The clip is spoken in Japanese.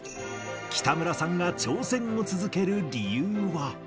北村さんが挑戦を続ける理由は。